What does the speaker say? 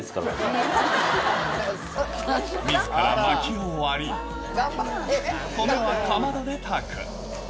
みずからまきを割り、米はかまどで炊く。